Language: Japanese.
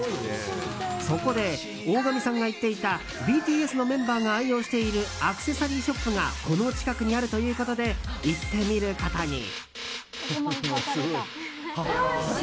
そこで大神さんが言っていたＢＴＳのメンバーが愛用しているアクセサリーショップがこの近くにあるということで行ってみることに。